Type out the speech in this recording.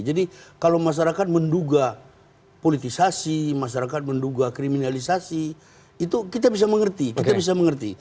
jadi kalau masyarakat menduga politisasi masyarakat menduga kriminalisasi itu kita bisa mengerti